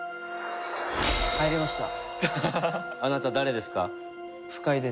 入りました。